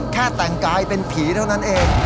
แต่งกายเป็นผีเท่านั้นเอง